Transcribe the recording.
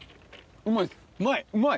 うまい？